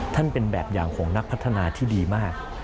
เป็นแบบอย่างของนักพัฒนาที่ดีมาก